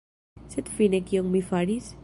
Sed fine kion mi faris?